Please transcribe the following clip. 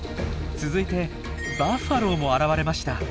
続いてバッファローも現れました。